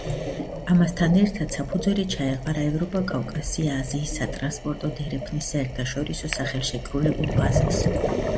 ამასთან ერთად, საფუძველი ჩაეყარა ევროპა-კავკასია-აზიის სატრანსპორტო დერეფნის საერთაშორისო სახელშეკრულებო ბაზას.